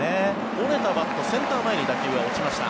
折れたバットセンター前に打球が落ちました。